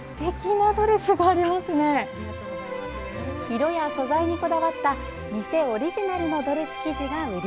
色や素材にこだわった店オリジナルのドレス生地が売り。